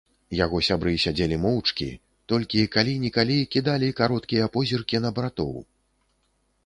Яго сябры сядзелі моўчкі, толькі калі-нікалі кідалі кароткія позіркі на братоў.